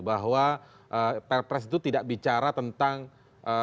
bahwa perpres itu tidak bicara tentang syarat yang dikurangi